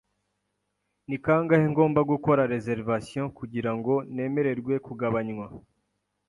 Ni kangahe ngomba gukora reservation kugirango nemererwe kugabanywa?